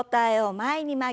前に。